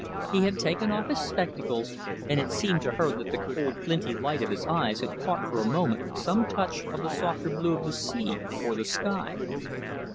He had taken off his spectacles, and it seemed to her that the cold, flinty light of his eyes had caught for a moment some touch of the softer blue of the sea or the sky.